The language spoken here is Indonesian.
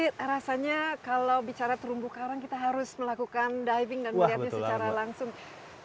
tapi rasanya kalau bicara terumbu karang kita harus melakukan diving dan melihatnya secara langsung